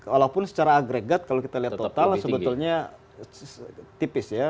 walaupun secara agregat kalau kita lihat total sebetulnya tipis ya